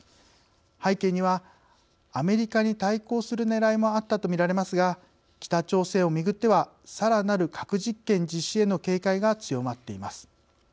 背景にはアメリカに対抗するねらいもあったと見られますが北朝鮮を巡ってはさらなる核実験実施への警戒が強まっています。